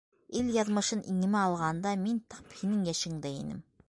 — Ил яҙмышын иңемә алғанда, мин тап һинең йәшеңдә инем.